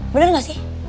bener gak sih